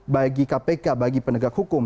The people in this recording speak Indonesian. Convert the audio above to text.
bagi kpk bagi penegak hukum